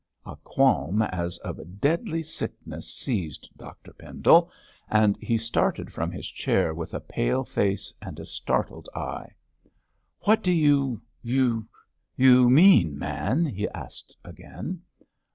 A qualm as of deadly sickness seized Dr Pendle, and he started from his chair with a pale face and a startled eye. 'What do you you you mean, man?' he asked again.